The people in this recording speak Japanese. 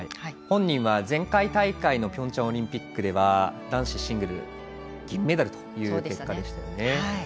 本人はピョンチャンオリンピックでは男子シングルス銀メダルという結果でしたよね。